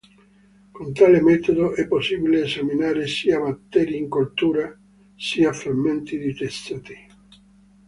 Con tale metodo è possibile esaminare sia batteri in coltura sia frammenti di tessuti.